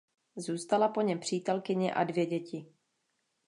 Zůstala po něm přítelkyně a dvě děti.